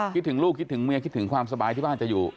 คิดถึงลูกคิดถึงเมียคิดถึงความสบายที่บ้านจะอยู่